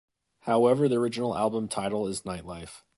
However the original album title is "Nightlife".